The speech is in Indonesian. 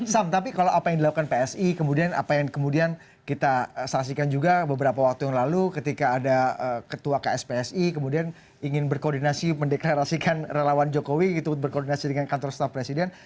sam tapi kalau apa yang dilakukan psi kemudian apa yang kemudian kita saksikan juga beberapa waktu yang lalu ketika ada ketua kspsi kemudian ingin berkoordinasi mendeklarasikan relawan jokowi gitu berkoordinasi dengan kantor staf presiden